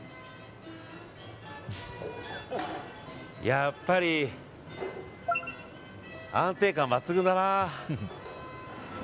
やっぱり安定感抜群だな。